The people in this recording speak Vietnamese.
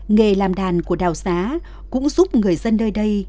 nghề làm đàn của đào xá cũng giúp người dân nơi đây